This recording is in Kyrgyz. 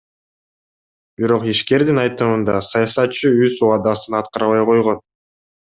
Бирок ишкердин айтымында саясатчы өз убадасын аткарбай койгон.